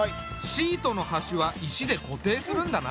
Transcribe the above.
シートの端は石で固定するんだな。